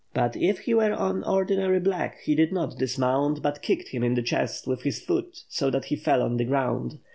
But if he were an ordinary 'Hblack," he did not dismount, but kicked him in the chest with his foot so that he fell on the ground.